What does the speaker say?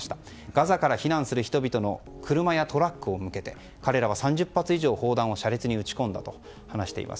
ガザから避難する人々の車やトラックに向けて彼らは３０発以上、砲弾を車列に撃ち込んだと話しています。